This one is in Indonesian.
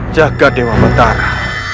jaga dewa mentara